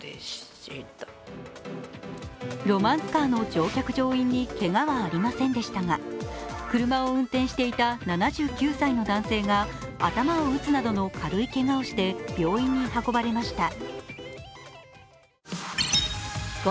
ロマンスカーの乗客・乗員にけがはありませんでしたが車を運転していた７９歳の男性が頭を打つなどの軽いけがをして病院に運ばれました。